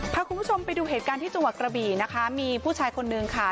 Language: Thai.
พาคุณผู้ชมไปดูเหตุการณ์ที่จังหวัดกระบี่นะคะมีผู้ชายคนนึงค่ะ